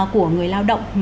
của người lao động